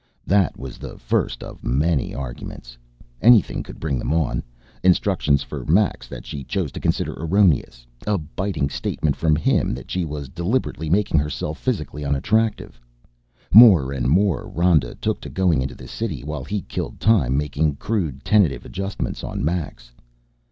That was the first of many arguments. Anything could bring them on, instructions for Max that she chose to consider erroneous, a biting statement from him that she was deliberately making herself physically unattractive. More and more Rhoda took to going into the city while he killed time making crude, tentative adjustments on Max.